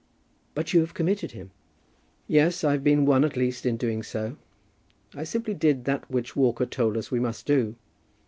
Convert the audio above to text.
"But you have committed him." "Yes, I've been one, at least, in doing so. I simply did that which Walker told us we must do.